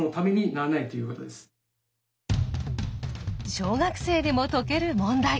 小学生でも解ける問題。